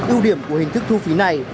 ưu điểm của hình thức thu phí này